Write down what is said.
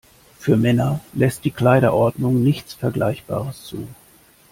Für Männer lässt die Kleiderordnung nichts Vergleichbares zu.